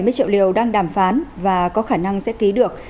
bảy mươi triệu liều đang đàm phán và có khả năng sẽ ký được